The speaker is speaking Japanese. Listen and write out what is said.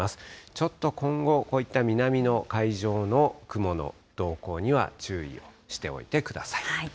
ちょっと今後、こういった南の海上の雲の動向には注意をしておいてください。